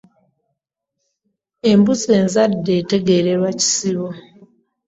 Embuzi enzadde tegererwa kisibo .